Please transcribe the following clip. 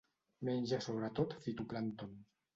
Menja sobretot fitoplàncton.